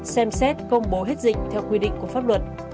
xem xét công bố hết dịch theo quy định của pháp luật